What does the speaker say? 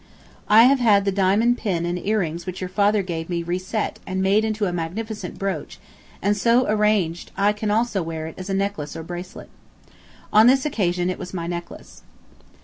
I have had the diamond pin and earrings which you father gave me, reset, and made into a magnificent brooch, and so arranged that I can also wear it as a necklace or bracelet. On this occasion it was my necklace.